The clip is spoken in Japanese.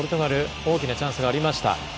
大きなチャンスがありました。